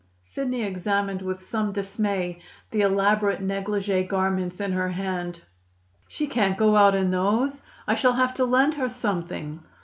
Sidney examined with some dismay the elaborate negligee garments in her hand. "She can't go out in those; I shall have to lend her something."